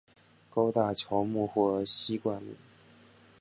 高大乔木或稀灌木。